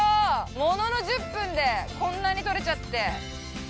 ものの１０分でこんなに採れちゃって。